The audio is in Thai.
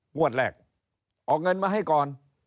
งวดแรกออกเงินมาให้ก่อน